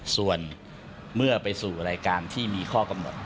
ส่วนเมื่อไปสู่รายการที่มีข้อกำหนด